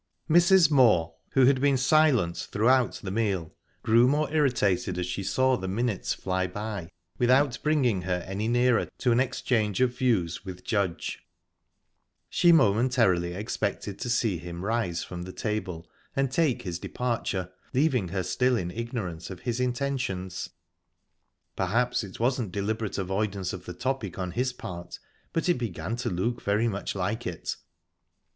Mrs. Moor, who had been silent throughout the meal, grew more irritated as she saw the minutes fly by without bringing her any nearer to an exchange of views with Judge. She momentarily expected to see him rise from the table and take his departure, leaving her still in ignorance of his intentions. Perhaps it wasn't deliberate avoidance of the topic on his part, but it began to look very much like it.